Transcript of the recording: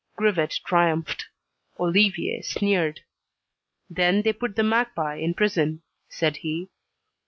Grivet triumphed. Olivier sneered. "Then, they put the magpie in prison," said he.